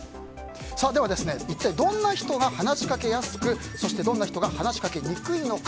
一体どんな人が話しかけやすくそして、どんな人が話しかけにくいのか。